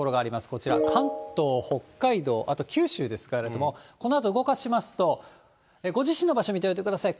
こちら、関東、北海道、あと九州ですけれども、このあと動かしますと、ご自身の場所を見ておいてください。